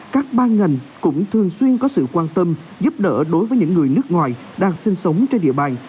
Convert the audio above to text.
các ban ngành cũng thường xuyên có sự quan tâm giúp đỡ đối với những người nước ngoài đang sinh sống trên địa bàn